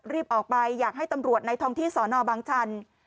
รีบออกไปอยากให้ตำรวจในท้องที่สอนอบางชัน